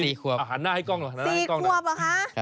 สี่ขวบเหรอคะ